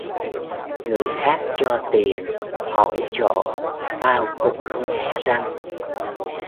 Người khác cho tiền hỏi chỗ tao cũng không hé răng